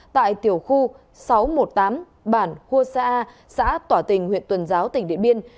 tại tiểu khu sáu trăm một mươi tám bản khu xã tỏa tình huyện tuần giáo tỉnh điện biên